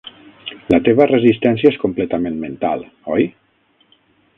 La teva resistència és completament mental, oi?